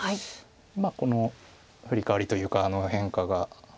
まあこのフリカワリというか変化がどうか。